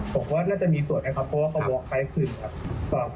ผมว่าน่าจะมีส่วนนะครับเพราะว่าเขาวอคไปให้ขึ้นครับ